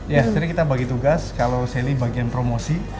ya jadi kita bagi tugas kalau sally bagian promosi